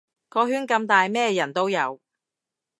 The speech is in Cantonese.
個圈咁大咩人都有